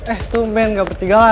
eh tumen gak bertiga lagi tuh